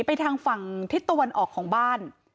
ไปทางฝั่งทิศตะวันออกของบ้าน